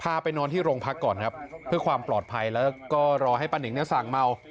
ไปนอนที่โรงพักก่อนครับเพื่อความปลอดภัยแล้วก็รอให้ป้านิงเนี่ยสั่งเมา